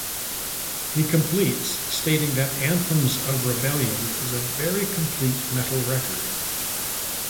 He completes stating that "Anthems of Rebellion" is a "very complete metal record.